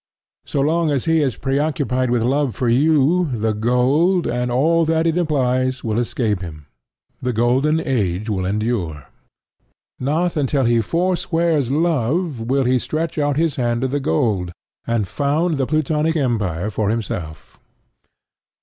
So long as he is preoccupied with love of you, the gold, and all that it implies, will escape him: the golden age will endure. Not until he forswears love will he stretch out his hand to the gold, and found the Plutonic empire for himself.